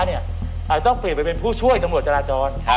อาจจะต้องเปลี่ยนไปเป็นผู้ช่วยตำรวจจราจร